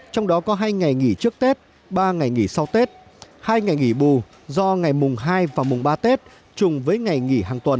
trong đó có hai ngày nghỉ trước tết ba ngày nghỉ sau tết hai ngày nghỉ bù do ngày mùng hai và mùng ba tết chung với ngày nghỉ hàng tuần